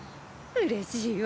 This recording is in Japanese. うれしいわ。